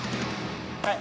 はい。